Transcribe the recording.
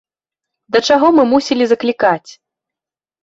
Да чаго мы мусілі заклікаць?